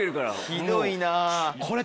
ひどいな。